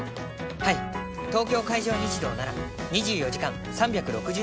はい東京海上日動なら２４時間３６５日の事故受付。